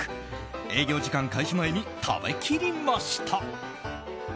営業時間開始前に食べ切りました。